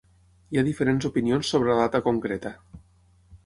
Hi ha diferents opinions sobre la data concreta.